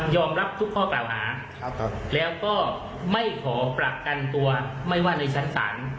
ยอมรับทุกข้อเปล่าหาครับแล้วก็ไม่ขอปรับกันตัวไม่ว่าในชั้นสาม